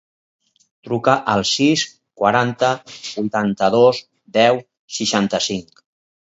Truca al sis, quaranta, vuitanta-dos, deu, seixanta-cinc.